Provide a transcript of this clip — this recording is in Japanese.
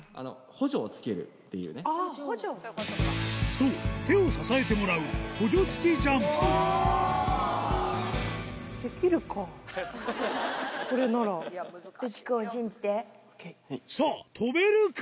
そう手を支えてもらうさぁ跳べるか？